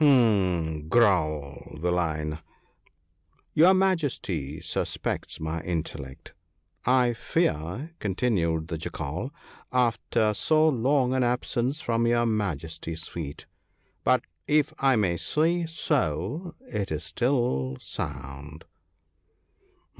' H'm !' growled the Lion. ' Your Majesty suspects my intellect, I fear,' continued the Jackal, ' after so long an absence from your Majesty's feet ; but, if I may say so, it is still sound.'